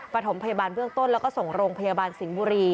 ประถมพยาบาลเบื้องต้นแล้วก็ส่งโรงพยาบาลสิงห์บุรี